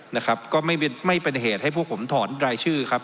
นะครับก็ไม่เป็นเหตุให้พวกผมถอนรายชื่อครับ